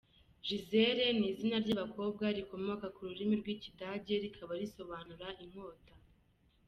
Gisele ni izina ry'abakobwa rikomoka ku rurimi rw'Ikidage rikaba risobanura "Inkota".